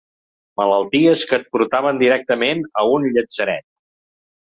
Malalties que et portaven directament a un llatzeret.